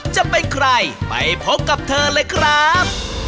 จะเป็นใครไปพบกับเธอเลยครับ